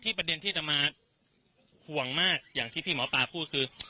ประเด็นที่จะมาห่วงมากอย่างที่พี่หมอปลาพูดคือ